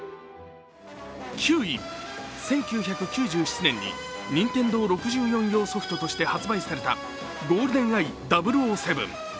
９位、１９９７年にＮＩＮＴＥＮＤＯ６４用ソフトとして発売された「ゴールデンアイ００７」。